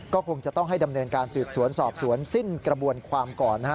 ก็คงจะต้องให้ดำเนินการสืบสวนสอบสวนสิ้นกระบวนความก่อนนะฮะ